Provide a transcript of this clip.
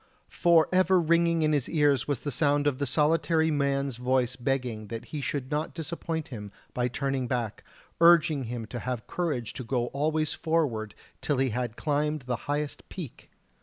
For ever ringing in his ears was the sound of the solitary man's voice begging that he should not disappoint him by turning back, urging him to have courage to go always forward till he had climbed the highest peak!